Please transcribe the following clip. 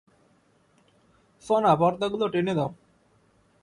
ফনা, পর্দাগুলো টেনে দাও।